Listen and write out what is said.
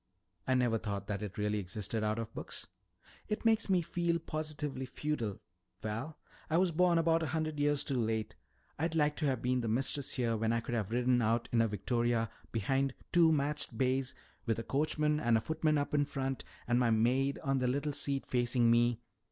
"I never thought that it really existed out of books." "It makes me feel positively feudal. Val, I was born about a hundred years too late. I'd like to have been the mistress here when I could have ridden out in a victoria behind two matched bays, with a coachman and a footman up in front and my maid on the little seat facing me."